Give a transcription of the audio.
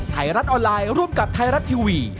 ไทยรัฐออนไลน์ร่วมกับไทยรัฐทีวี